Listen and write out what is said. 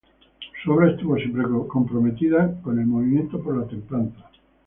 Su obra estuvo siempre comprometida con el movimiento por la templanza.